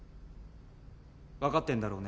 分かってんだろうね？